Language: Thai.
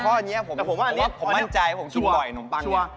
ข้อนี้ผมว่าผมมั่นใจผมชิงบ่อยนมปังเนี่ยแต่ผมว่าอันนี้ชัวร์